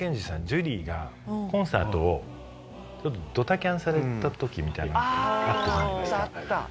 ジュリーがコンサートをドタキャンされた時みたいなあったじゃないですか」